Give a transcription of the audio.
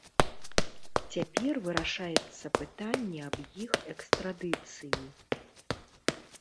Цяпер вырашаецца пытанне аб іх экстрадыцыі.